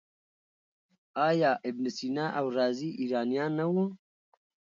آیا ابن سینا او رازي ایرانیان نه وو؟